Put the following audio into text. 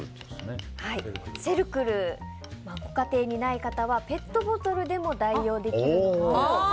セルクルがご家庭にない方はペットボトルでも代用できるということです。